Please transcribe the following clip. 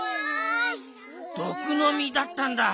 どくのみだったんだ。